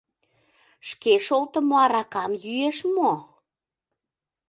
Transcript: Шке шолтымо аракам йӱэш мо?